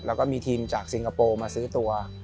แล้วก็มีทีมจากซิงคโปร์มาซื้อตัว